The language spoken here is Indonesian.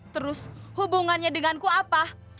terus hubungannya denganku apa